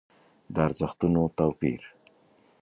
د ارزښتونو توپير.